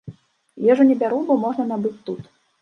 Ежу не бяру, бо можна набыць тут.